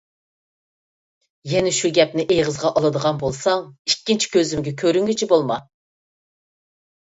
يەنە شۇ گەپنى ئېغىزىڭغا ئالىدىغان بولساڭ، ئىككىنچى كۆزۈمگە كۆرۈنگۈچى بولما!